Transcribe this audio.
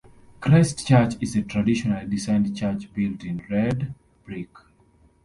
Christ Church is a traditionally designed church built in red brick.